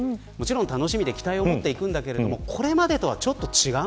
楽しみで、期待も持って行くんだけどこれまでとはちょっと違う。